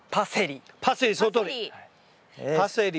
パセリ。